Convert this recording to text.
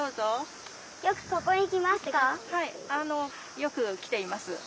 よくきています。